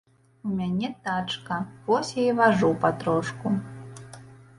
У мяне тачка, вось я і важу патрошку.